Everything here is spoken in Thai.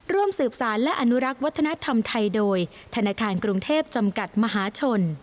ร่วมสืบสารและอนุรักษ์วัฒนธรรมไทยโดยธนาคารกรุงเทพจำกัดมหาชน